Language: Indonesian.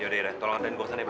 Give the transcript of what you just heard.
yaudah tolong andain bosan ya